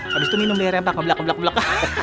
habis itu minum air empang kebelak kebelak kebelak